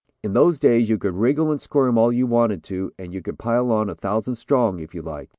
In those days you could wriggle and squirm all you wanted to and you could pile on a thousand strong, if you liked.